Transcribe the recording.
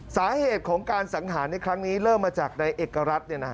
สาเหตุของการสังหารในครั้งนี้เริ่มมาจากในเอกรัฐ